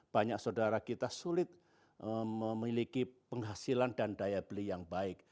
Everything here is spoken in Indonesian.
banyak saudara kita sulit memiliki penghasilan dan daya beli yang baik